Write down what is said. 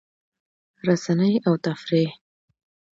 رسنۍ او تفریح